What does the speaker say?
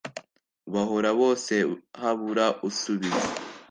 bahora bose habura usubiza